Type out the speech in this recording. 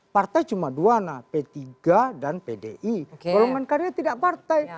karena itu cuma dua nah p tiga dan pdi golongan karya tidak partai